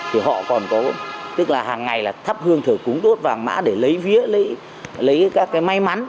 thì họ còn có tức là hàng ngày là thắp hương thờ cúng tốt vàng mã để lấy vía lấy các cái may mắn